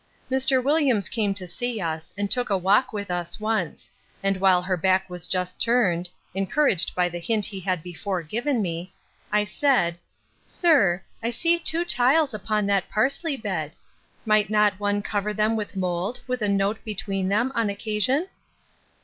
Mr. Williams came to see us, and took a walk with us once; and while her back was just turned, (encouraged by the hint he had before given me,) I said, Sir, I see two tiles upon that parsley bed; might not one cover them with mould, with a note between them, on occasion?